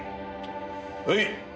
はい。